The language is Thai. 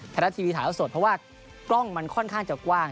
แถวทาสดเพราะว่ากล้องมันค่อนข้างจะกว้าง